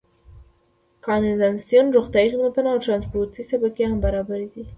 کانالیزاسیون، روغتیايي خدمتونه او ټرانسپورتي شبکې هم برابرې دي.